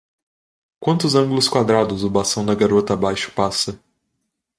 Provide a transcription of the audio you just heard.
Quantos ângulos quadrados o bastão da garota abaixo passa?